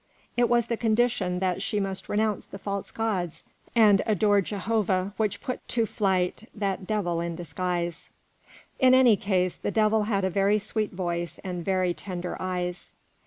It was the condition that she must renounce the false gods and adore Jehovah which put to flight that devil in disguise." "In any case, that devil had a very sweet voice and very tender eyes."